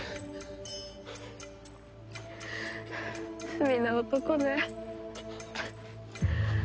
罪な男ね。